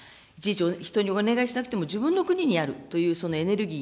人にお願いしなくても、自分の国にあるというそのエネルギー。